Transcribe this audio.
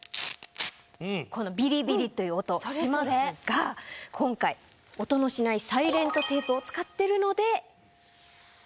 このビリビリという音しますが今回音のしないサイレントテープを使ってるので。